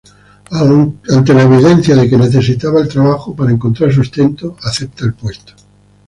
Ante la evidencia de que necesita el trabajo para encontrar sustento, acepta el puesto.